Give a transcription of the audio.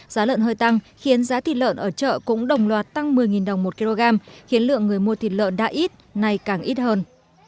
giá lợn hơi tăng khiến giá thịt lợn ở chợ cũng đồng loạt tăng một mươi đồng một kg khiến lượng người mua thịt lợn đã ít nay càng ít hơn